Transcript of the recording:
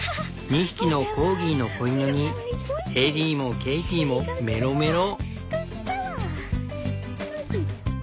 ２匹のコーギーの子犬にエリーもケイティもメロメロ。